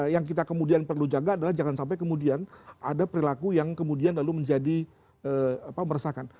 yang kita kemudian perlu jaga adalah jangan sampai kemudian ada perilaku yang kemudian lalu menjadi meresahkan